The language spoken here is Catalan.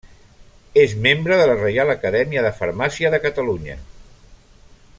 És membre de la Reial Acadèmia de Farmàcia de Catalunya.